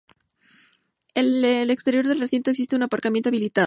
En el exterior del recinto existe un aparcamiento habilitado.